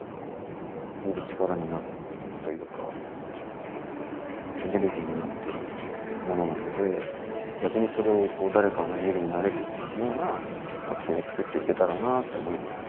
すごく力になるというかエネルギーになっているものなので逆にそれを誰かのエネルギーになれるような作品を作っていけたらなって思いますね